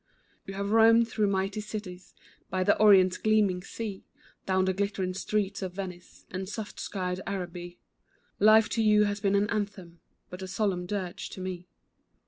You have roamed through mighty cities, By the Orient's gleaming sea, Down the glittering streets of Venice, And soft skied Araby: Life to you has been an anthem, But a solemn dirge to me.